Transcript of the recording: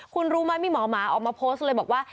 คุณรู้ไหมมีหมอหมาออกมาโพสต์เลยบอกว่า